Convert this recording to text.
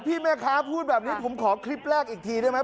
พี่แม่ค้าพูดแบบนี้ผมขอคลิปแรกอีกทีได้ไหม